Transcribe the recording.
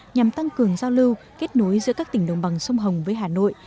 nhằm tăng cường giao lưu kết nối giữa các tỉnh đồng bằng sông hồng với hà nội